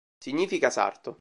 Significa "sarto".